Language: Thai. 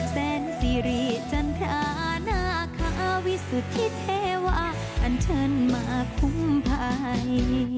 แสนสิริจันทรานาคาวิสุทธิเทวาอันเชิญมาคุ้มภัย